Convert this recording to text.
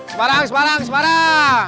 semarang semarang semarang